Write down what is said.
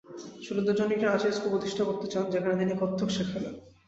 ছোটদের জন্য একটি নাচের স্কুল প্রতিষ্ঠা করতে চান, যেখানে তিনি কত্থক শেখাবেন।